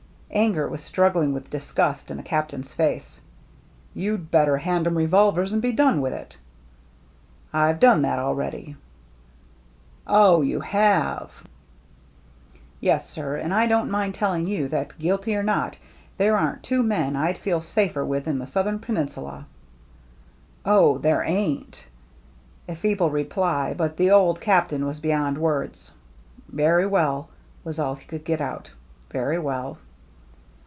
Anger was struggling with disgust in the Captain's face. "You'd better hand 'em re volvers and be done with it." " I've done that already." "Oh, youAiJw/" "Yes, sir. And I don't mind telling you that, guilty or not, there aren't two men I'd feel safer with in the Southern Peninsula." " Oh, there aititf " A feeble reply, but the old Captain was beyond words. " Very well," was all he could get out, " very well